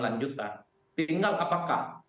lanjutan tinggal apakah